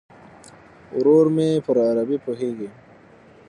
ورور مې پر عربي پوهیږي.